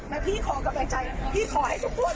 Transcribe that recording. นับพี่ขอกำลังใจนับพี่ขอให้ทุกคน